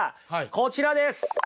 こちらです！